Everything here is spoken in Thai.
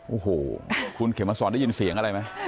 โอ้โหคุณเข็มมาสอนได้ยินเสียงอะไรไหม